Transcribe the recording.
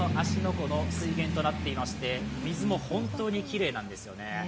湖の水源となっていまして水も本当にきれいなんですよね。